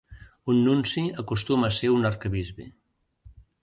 Un nunci acostuma a ser un arquebisbe.